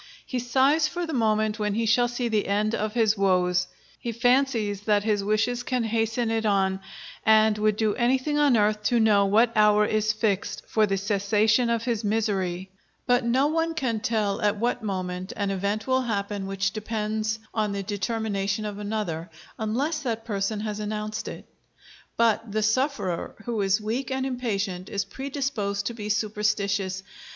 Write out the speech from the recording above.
He sighs for the moment when he shall see the end of his woes; he fancies that his wishes can hasten it on, and would do anything on earth to know what hour is fixed for the cessation of his misery: but no one can tell at what moment an event will happen which depends on the determination of another, unless that person has announced it. But the sufferer, who is weak and impatient, is predisposed to be superstitious.